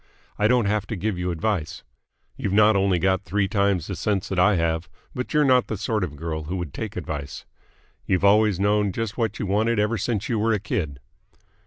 I don't have to give you advice. You've not only got three times the sense that I have, but you're not the sort of girl who would take advice. You've always known just what you wanted ever since you were a kid.